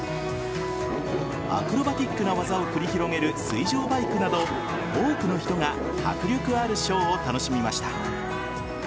アクロバティックな技を繰り広げる水上バイクなど多くの人が迫力あるショーを楽しみました。